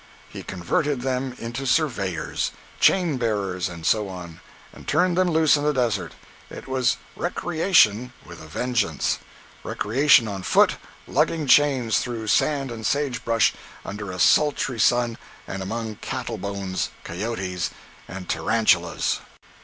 He converted them into surveyors, chain bearers and so on, and turned them loose in the desert. It was "recreation" with a vengeance! Recreation on foot, lugging chains through sand and sage brush, under a sultry sun and among cattle bones, cayotes and tarantulas.